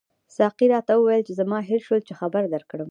ساقي راته وویل چې زما هېر شول چې خبر درکړم.